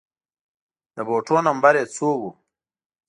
د بوټو نمبر يې څو و